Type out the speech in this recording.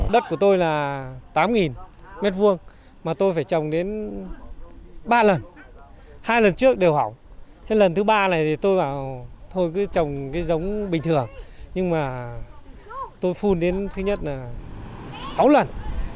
đất của tôi là tám m hai mà tôi phải trồng đến ba lần hai lần trước đều hỏng thế lần thứ ba này thì tôi bảo thôi cứ trồng cái giống bình thường nhưng mà tôi phun đến thứ nhất là sáu lần